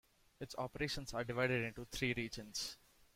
Its operations are divided into three regions.